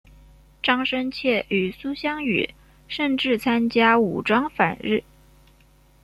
张深切与苏芗雨甚至参加武装反日。